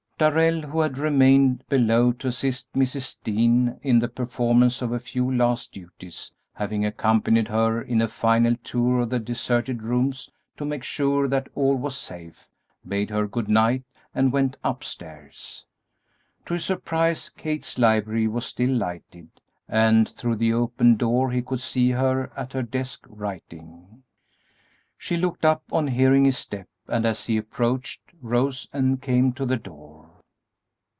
Darrell, who had remained below to assist Mrs. Dean in the performance of a few last duties, having accompanied her in a final tour of the deserted rooms to make sure that all was safe, bade her good night and went upstairs. To his surprise, Kate's library was still lighted, and through the open door he could see her at her desk writing. She looked up on hearing his step, and, as he approached, rose and came to the door.